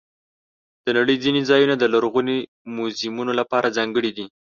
د نړۍ ځینې ځایونه د لرغوني میوزیمونو لپاره ځانګړي دي.